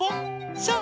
そう。